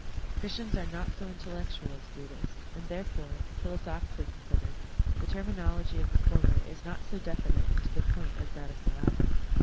Christians are not so intel lectual as Buddhists, and therefore, philosophically considered, the terminology of the former is not so definite and to the point as is that of the latter.